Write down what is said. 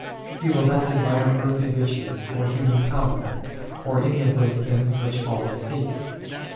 He will not admire earthly riches, or human power, or any of those things which folly seeks.